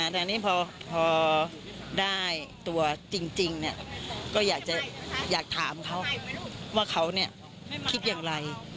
แต่อันนี้พอได้ตัวจริงก็อยากถามเขาว่าเขาคิดอย่างไร